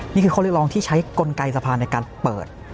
นี่คือข้อเรียกร้องที่ใช้กลไกสภาในการเปิด